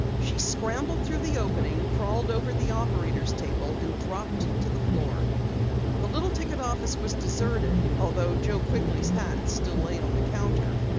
She scrambled through the opening, crawled over the operator's table and dropped to the floor. The little ticket office was deserted though Joe Quigley's hat still lay on the counter.